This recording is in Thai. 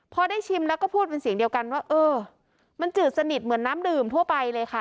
พอได้ชิมแล้วก็พูดเป็นเสียงเดียวกันว่าเออมันจืดสนิทเหมือนน้ำดื่มทั่วไปเลยค่ะ